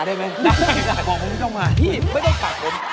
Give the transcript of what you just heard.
พี่ไม่ได้กลับผม